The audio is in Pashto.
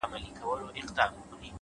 مثبت فکر ذهن آراموي’